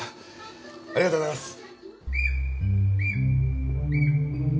ありがとうございます。